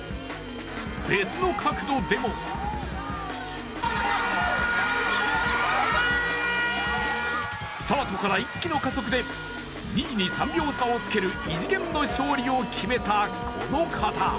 別の角度でもスタートから一気の加速で２位に３秒差をつける異次元の勝利を決めたこの方。